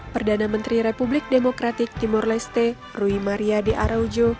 perdana menteri republik demokratik timur leste rui mariade araujo